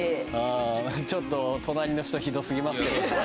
ちょっと隣の人ひどすぎます